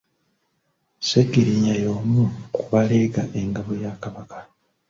Ssegiriinya y'omu ku baleega engabo ya Kabaka.